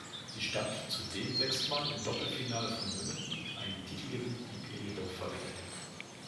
Sie stand zudem sechsmal im Doppelfinale von Wimbledon, ein Titelgewinn blieb ihr jedoch verwehrt.